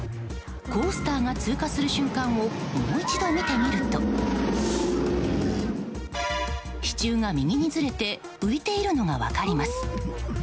コースターが通過する瞬間をもう一度見てみると支柱が右にずれて浮いているのが分かります。